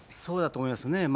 そうだと思いますね。